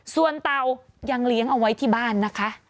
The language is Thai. ส่วนเตายังเลี้ยงเอาไว้ที่บ้านนะคะ